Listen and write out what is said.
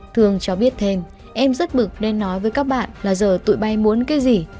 thường cho biết thêm em rất bực nên nói với các bạn là giờ tụi bay muốn cái gì